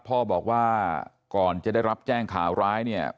พ่อบอกว่าก่อนจะได้รับแจ้งข่าวร้ายเนี่ย